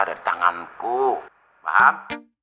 ada di tanganku paham